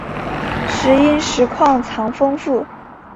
石英石矿藏丰富。